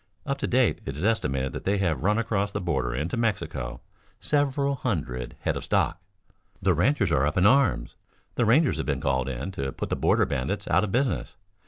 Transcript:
Up to date it is estimated that they have run across the border into Mexico several hundred head of stock. The ranchers are up in arms. The Rangers have been called in to put the Border Bandits out of business.